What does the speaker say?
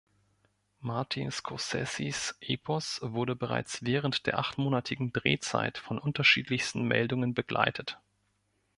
Martin Scorseses Epos wurde bereits während der achtmonatigen Drehzeit von unterschiedlichsten Meldungen begleitet.